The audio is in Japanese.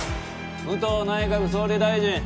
武藤内閣総理大臣。